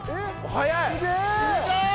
早い！